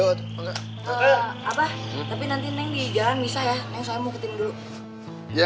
mot jagaan ya